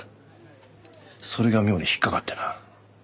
それが妙に引っかかってな。